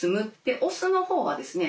オスの方はですね